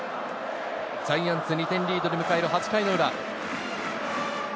ジャイアンツ、２点リードで迎える８回の裏。